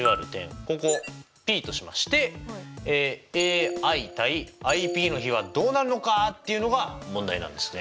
ここをＰとしましてＡＩ：ＩＰの比はどうなるのかっていうのが問題なんですね。